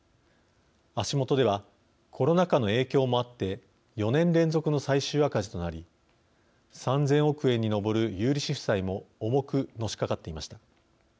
足元ではコロナ禍の影響もあって４年連続の最終赤字となり３０００億円に上る有利子負債も重くのしかかっていました。